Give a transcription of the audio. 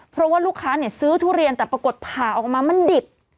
เพราะว่าลูกค้าซื้อทุเรียนแต่ปรากฏผ่าออกมามันดิบ